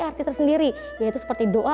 arti tersendiri yaitu seperti doa